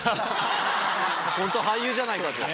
本当は俳優じゃないかと。